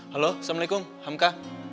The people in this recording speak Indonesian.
halo assalamualaikum hamka